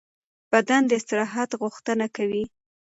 بدن د استراحت غوښتنه کوي.